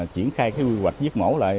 triển khai quy hoạch giết mổ